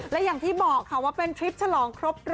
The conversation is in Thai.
และอย่างที่บอกค่ะว่าเป็นทริปฉลองครบรอบ